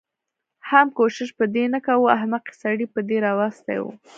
حم کوشش به دې نه کوه احمقې سړی به دې راوستی و.